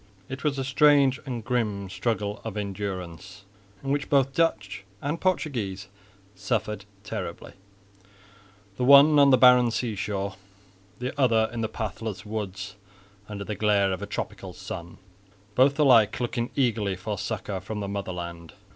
It was a strange and grim struggle of endurance, in which both Dutch and Portuguese suffered terribly, the one on the barren sea shore, the other in the pathless woods under the glare of a tropical sun, both alike looking eagerly for succour from the Motherland.